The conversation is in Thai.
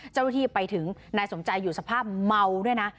เจ้าหน้าที่ไปถึงนายสมใจอยู่สภาพเมาด้วยนะ